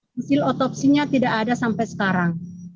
hasil otopsinya tidak ada sampai sekarang